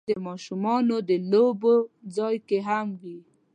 چاکلېټ د ماشومانو د لوبو ځای کې هم وي.